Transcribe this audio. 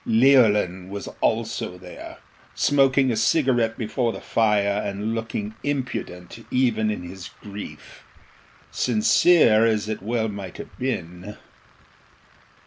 Leolin was also there, smoking a cigarette before the fire and looking impudent even in his grief, sincere as it well might have been.